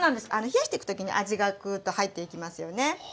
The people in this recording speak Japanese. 冷やしてく時に味がグーッと入っていきますよね。